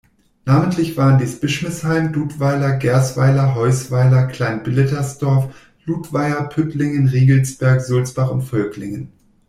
Namentlich waren dies Bischmisheim, Dudweiler, Gersweiler, Heusweiler, Kleinblittersdorf, Ludweiler, Püttlingen, Riegelsberg, Sulzbach und Völklingen.